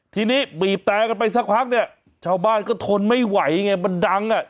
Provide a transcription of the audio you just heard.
ทีนี้บีบแต่กันไปสักพักเนี่ยชาวบ้านก็ทนไม่ไหวไงมันดังอ่ะ